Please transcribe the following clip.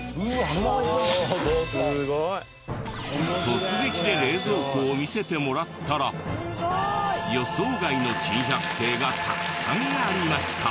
突撃で冷蔵庫を見せてもらったら予想外の珍百景がたくさんありました。